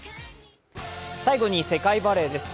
最後に世界バレーです。